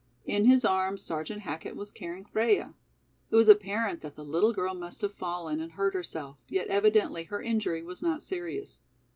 In his arms Sergeant Hackett was carrying Freia. It was apparent that the little girl must have fallen and hurt herself, yet evidently her injury was not serious.